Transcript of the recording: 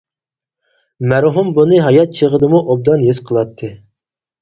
مەرھۇم بۇنى ھايات چېغىدىمۇ ئوبدان ھېس قىلاتتى.